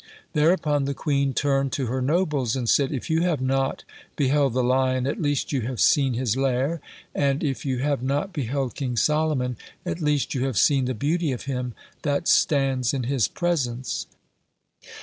Thereupon the queen turned to her nobles and said: "If you have not beheld the lion, at least you have seen his lair, and if you have not beheld King Solomon, at least you have seen the beauty of him that stands in his presence."